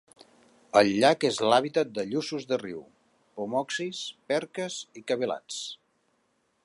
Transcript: El llac és l'hàbitat de lluços de riu, pomoxis, perques i cavilats.